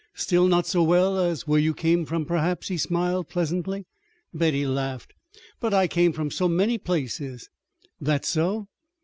"Still, not so well as where you came from, perhaps," he smiled pleasantly. Betty laughed. "But I came from so many places." "That so?"